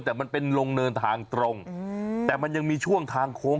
แต่มันเป็นลงเนินทางตรงแต่มันยังมีช่วงทางโค้ง